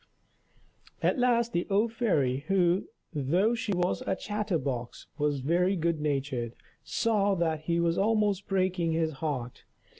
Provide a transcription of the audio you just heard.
At last the old fairy, who, though she was a chatter box, was very good natured, saw that he was almost breaking his heart.